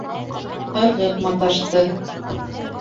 Ырғып маташты.